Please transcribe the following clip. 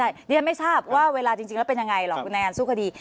ใช่ดิฉันไม่ทราบว่าเวลาจริงแล้วเป็นยังไงหรอกคุณในการสู้คดี